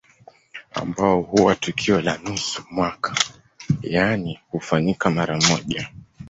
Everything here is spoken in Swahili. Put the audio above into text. Ambao huwa tukio la nusu mwaka yani hufanyika mara moja